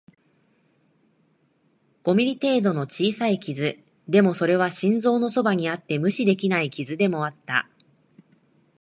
五ミリ程度の小さい傷、でも、それは心臓のそばにあって無視できない傷でもあった